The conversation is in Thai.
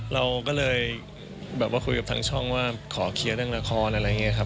เราก็เลยแบบว่าคุยกับทางช่องว่าขอเคลียร์เรื่องละครอะไรอย่างนี้ครับ